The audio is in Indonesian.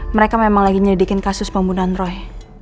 mereka memang lagi nyedikin kasus pembunuhan roy